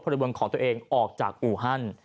พรวมของตัวเองออกจากอู่ฮัน